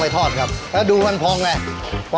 อันนี้ก็จะใช้เวลาเท่ากับเป็ดปลากิ่งกันค่ะหรือเปล่า